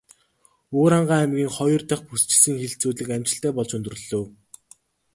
Өвөрхангай аймгийн хоёр дахь бүсчилсэн хэлэлцүүлэг амжилттай болж өндөрлөлөө.